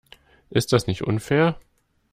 Ist das nicht unfair?